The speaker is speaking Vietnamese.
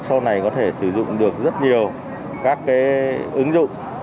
sau này có thể sử dụng được rất nhiều các ứng dụng